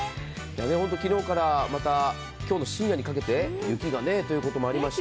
昨日からまた今日の深夜にかけて雪がということもありまして。